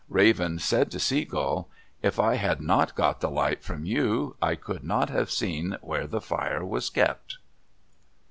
Raven said to Sea Gull, "If I had not got the light from you, I could not have seen where the fire was kept."